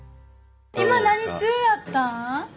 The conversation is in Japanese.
今何中やったん？